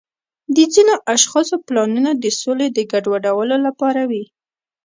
د ځینو اشخاصو پلانونه د سولې د ګډوډولو لپاره وي.